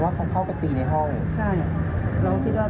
ไม่แต่ลูกไม่เคยพูด